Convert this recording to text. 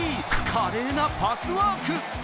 華麗なパスワーク。